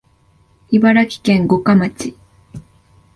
茨城県五霞町